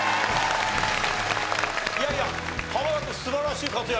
いやいや濱田君素晴らしい活躍。